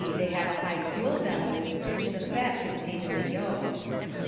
they have a high fuel value due to the fat contained in the yolks.